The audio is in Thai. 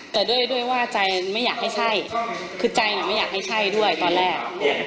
แต่ด้วยว่าใจไม่อยากให้ใช่คือใจไม่อยากให้ใช่ด้วยตอนแรก